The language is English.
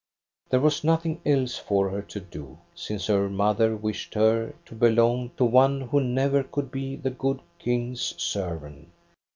There was nothing else for her to do, since her mother wished her to belong to one who never could be the good King's servant.